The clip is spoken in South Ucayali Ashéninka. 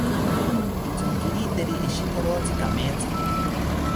Tsonkiriteri ishikorotsi kametha